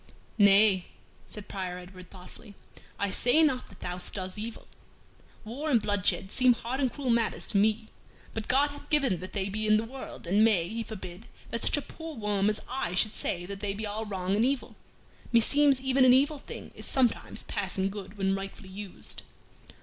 "Nay," said Prior Edward, thoughtfully, "I say not that thou doest evil. War and bloodshed seem hard and cruel matters to me; but God hath given that they be in the world, and may He forbid that such a poor worm as I should say that they be all wrong and evil. Meseems even an evil thing is sometimes passing good when rightfully used."